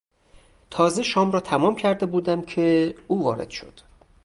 تازه شام را تمام کرده بودم که او وارد شد.